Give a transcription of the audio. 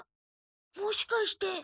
もしかして。